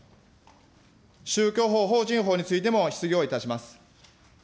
宗教法法人法についても質疑をいたします。